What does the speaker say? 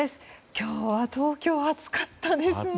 今日は東京、暑かったですね。